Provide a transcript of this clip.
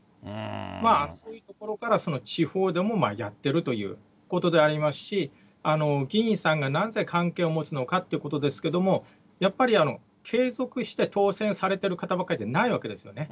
まあ、そういうところから地方でもやってるということでありますし、議員さんがなぜ関係を持つのかってことですけども、やっぱり継続して当選されてる方ばかりじゃないわけですよね。